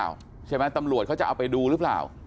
ก็จะยายผลในทางคดีหรือเปล่าใช่มั้ยตำรวจเขาจะเอาไปดูหรือเปล่า